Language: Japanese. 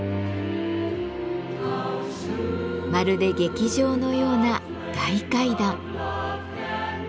まるで劇場のような「大階段」。